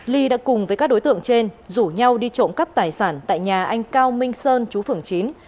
ly đã cùng với các đối tượng trên rủ nhau đi trộm cắp tài sản tại nhà anh cao minh sơn chú phường chín